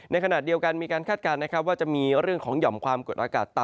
ในขณะเดียวกันมีการคาดการณ์นะครับว่าจะมีเรื่องของหย่อมความกดอากาศต่ำ